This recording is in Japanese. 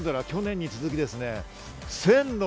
去年に続きですね。